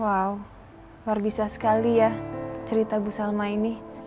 wow luar biasa sekali ya cerita bu salma ini